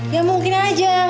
ya mungkin aja